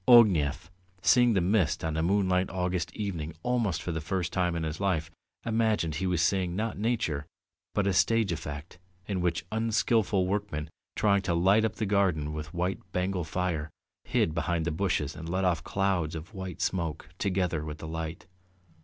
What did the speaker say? Ognev, seeing the mist on a moonlight August evening almost for the first time in his life, imagined he was seeing, not nature, but a stage effect in which unskilful workmen, trying to light up the garden with white Bengal fire, hid behind the bushes and let off clouds of white smoke together with the light.